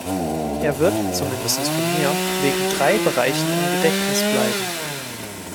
Er wird, zumindest von mir, wegen drei Bereichen im Gedächtnis bleiben.